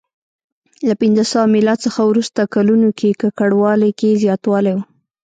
له پنځه سوه میلاد څخه وروسته کلونو کې ککړوالي کې زیاتوالی و